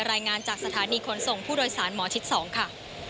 รายงานจากสถานีขนส่งผู้โดยสารหมอชิด๒ค่ะ